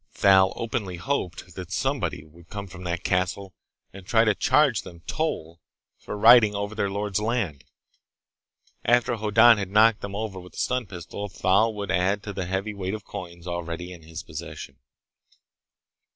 Thal openly hoped that somebody would come from that castle and try to charge them toll for riding over their lord's land. After Hoddan had knocked them over with the stun pistol, Thal would add to the heavy weight of coins already in his possession.